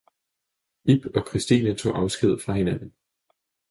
Og Ib og Christine tog afsked fra hinanden.